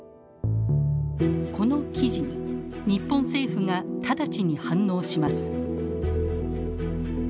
この記事に日本政府が直ちに反応します。